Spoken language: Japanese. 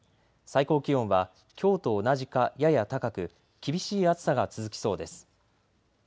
最高気温はきょうと同じかやや高く厳しい暑さが続きそうです。